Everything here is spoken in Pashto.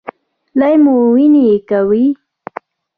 لۍ مو وینه کوي؟